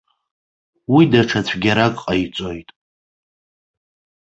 Уи даҽа цәгьарак ҟаиҵоит.